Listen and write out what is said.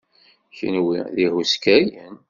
Kenwi d ihuskayen.